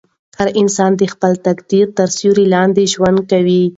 هر انسان د خپل تقدیر تر سیوري لاندې ژوند کوي.